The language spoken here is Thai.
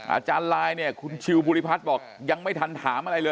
อาจารย์ลายเนี่ยคุณชิวภูริพัฒน์บอกยังไม่ทันถามอะไรเลย